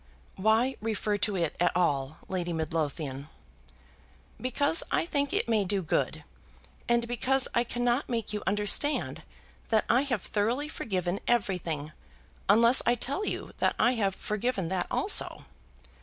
"Why refer to it at all, Lady Midlothian?" "Because I think it may do good, and because I cannot make you understand that I have thoroughly forgiven everything, unless I tell you that I have forgiven that also.